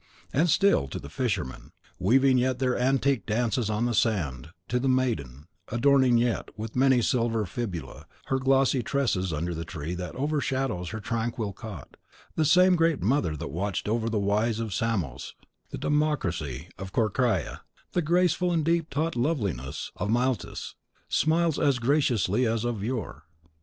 And still to the fishermen, weaving yet their antique dances on the sand; to the maiden, adorning yet, with many a silver fibula, her glossy tresses under the tree that overshadows her tranquil cot, the same Great Mother that watched over the wise of Samos, the democracy of Corcyra, the graceful and deep taught loveliness of Miletus, smiles as graciously as of yore.